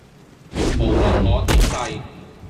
無論我點計